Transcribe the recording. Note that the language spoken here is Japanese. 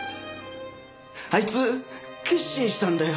あいつ決心したんだよ。